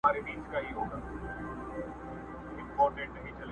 یوه بله کښتۍ ډکه له ماهیانو.!